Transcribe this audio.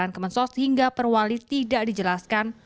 sejak kemarin di daerah kemensos hingga perwali tidak dijelaskan